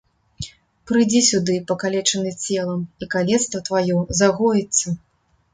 Прыйдзі сюды, пакалечаны целам, і калецтва тваё загоіцца!